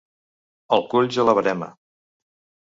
El culls a la verema.